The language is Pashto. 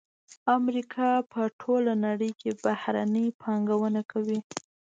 امریکا په ټوله نړۍ کې بهرنۍ پانګونه کوي